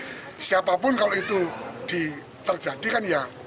jadi siapapun kalau itu diterjadikan